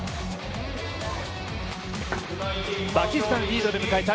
パキスタンリードで迎えた